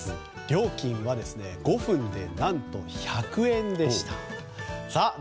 料金は５分で何と１００円でした。